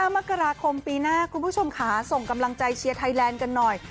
มกราคมปีหน้าคุณผู้ชมค่ะส่งกำลังใจเชียร์ไทยแลนด์กันหน่อย